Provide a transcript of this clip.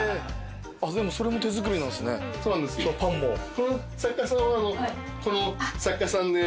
この作家さんはこの作家さんで。